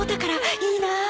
いいなあ